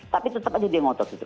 tapi tetap aja dia ngotot gitu